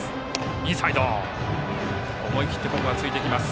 インサイド思い切って突いてきます。